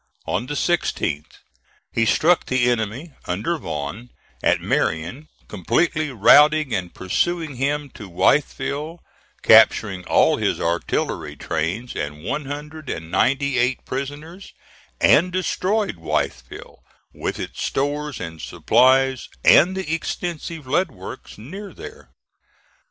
On the 16th he struck the enemy, under Vaughn, at Marion, completely routing and pursuing him to Wytheville, capturing all his artillery, trains, and one hundred and ninety eight prisoners; and destroyed Wytheville, with its stores and supplies, and the extensive lead works near there.